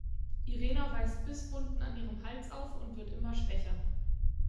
Irena weist Bisswunden an ihrem Hals auf und wird immer schwächer.